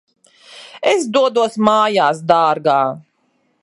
Es dodos mājās, dārgā.